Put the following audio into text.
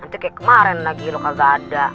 nanti kayak kemarin lagi lo kagak ada